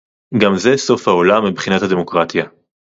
גם זה סוף העולם מבחינת הדמוקרטיה